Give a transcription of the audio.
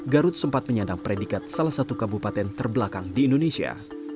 garut sempat menyandang predikat salah satu kabupaten terbelakang di indonesia